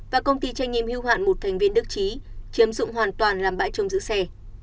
và công ty trách nhiệm hưu hạn một thành viên đức trí chiếm dụng hoàn toàn làm bãi trông giữ xe